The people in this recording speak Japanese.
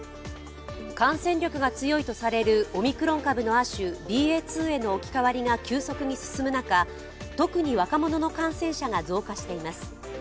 感染力が強いとされるオミクロンの亜種、ＢＡ．２への置き換わりが急速に進む中、特に若者の感染者が増加しています。